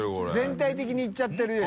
全体的にいっちゃってるよね。